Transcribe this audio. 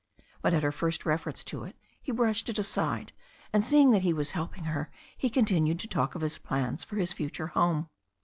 But at her first reference to it he brushed it aside, and seeing that he was helping her, he continued to talk of his plans for his future home.